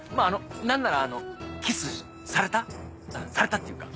何ならあのキスされたされたっていうか。